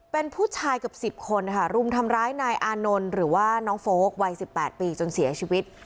เป็นผู้ชายเกือบ๑๐คนค่ะรุมทำร้ายนายอานนท์หรือว่าน้องโฟลกวัย๑๘ปีจนเสียชีวิต